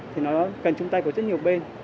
thì nó cần chúng ta có rất nhiều bên